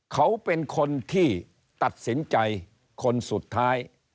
เขาเป็นคนที่ตัดสินใจคนสุดท้าย